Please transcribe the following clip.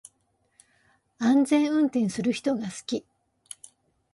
安全運転する人が好き